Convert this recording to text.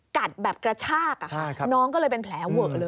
กัดแบบกระชากน้องก็เลยเป็นแผลเวอะเลย